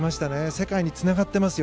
世界につながっていますよ。